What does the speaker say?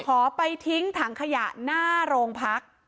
ขอไปทิ้งถังขยะหน้าโรงพัก